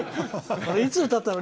いつ歌ったかな。